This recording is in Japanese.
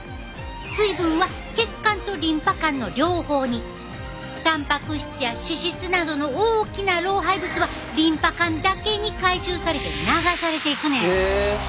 水分は血管とリンパ管の両方にタンパク質や脂質などの大きな老廃物はリンパ管だけに回収されて流されていくねん。